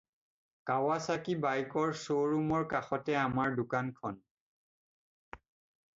Kawasaki বাইকৰ শ্ব'ৰুমৰ কাষতে আমাৰ দোকানখন।